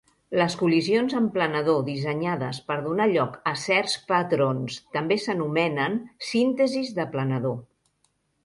Les col·lisions amb planador dissenyades per donar lloc a certs patrons també s'anomenen síntesis de planador.